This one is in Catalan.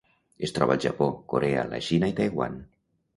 Es troba al Japó, Corea, la Xina i Taiwan.